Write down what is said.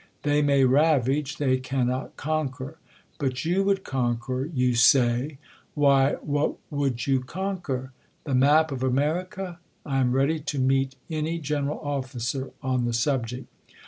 They may ravage j they cannot conquer. But you would conquer, you say ! Why, what would you conquer? the map of Ame rica ? I am ready to meet any general officer on the subject.